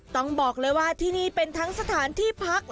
ต้องบอกเลยว่าที่นี่เป็นทั้งสถานที่พัก